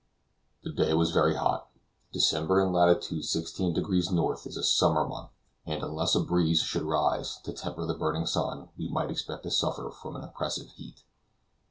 The day was very hot. December in latitude 16 deg. N. is a summer month, and unless a breeze should rise to temper the burning sun, we might expect to suffer from an oppressive heat.